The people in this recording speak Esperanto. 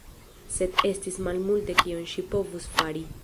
Sed estis malmulte kion ŝi povus fari.